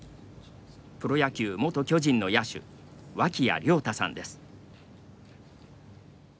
プロ野球元巨人の野手脇谷亮太さんです。